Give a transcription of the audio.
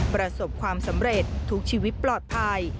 ประสบความสำเร็จทุกชีวิตปลอดภัย